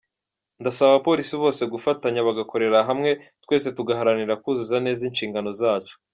Ndasaba abapolisi bose gufatanya bagakorera hamwe twese tugaharanira kuzuza neza inshingano zacu".